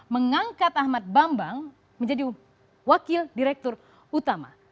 mengangkat ahmad bambang menjadi wakil direktur utama